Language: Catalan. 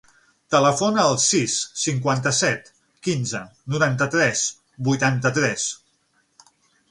Telefona al sis, cinquanta-set, quinze, noranta-tres, vuitanta-tres.